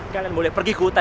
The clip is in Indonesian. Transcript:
kalian boleh pergi ke hutan